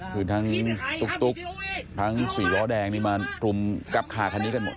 คือทั้งตุ๊กทั้งสีล้อแดงมาทรุมกลับขาดทางนี้กันหมด